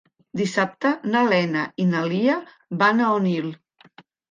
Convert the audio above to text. Dissabte na Lena i na Lia van a Onil.